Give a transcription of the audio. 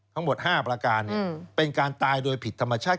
ทั้งหมด๕ประการเป็นการตายโดยผิดธรรมชาติ